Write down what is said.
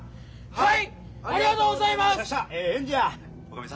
はい！